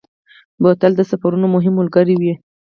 بوتل د سفرونو مهم ملګری وي.